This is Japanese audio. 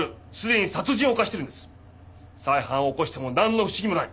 再犯を起こしてもなんの不思議もない。